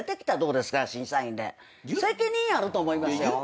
責任あると思いますよ。